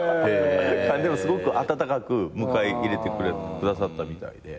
でもすごく温かく迎え入れてくださったみたいで。